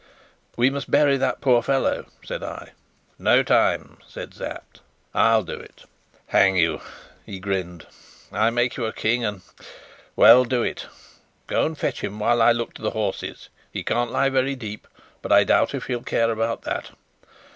"We must bury that poor fellow," said I. "No time," said Sapt. "I'll do it." "Hang you!" he grinned. "I make you a King, and Well, do it. Go and fetch him, while I look to the horses. He can't lie very deep, but I doubt if he'll care about that.